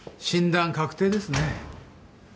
診断確定ですね。